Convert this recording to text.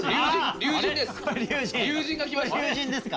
龍神ですか！？